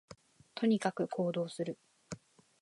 とにかく行動する